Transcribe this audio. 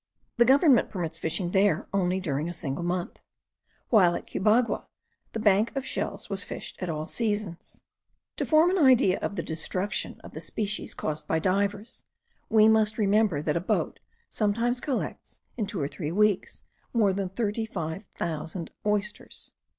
The government permits fishing there only during a single month; while at Cubagua the bank of shells was fished at all seasons. To form an idea of the destruction of the species caused by the divers, we must remember that a boat sometimes collects, in two or three weeks, more than thirty five thousand oysters.